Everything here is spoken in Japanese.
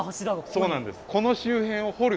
そうなんです。